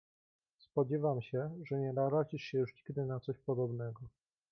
"Spodziewam się, że nie narazisz się już nigdy na coś podobnego."